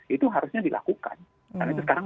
itu harusnya dilakukan karena itu sekarang